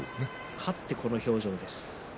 勝ってこの表情です。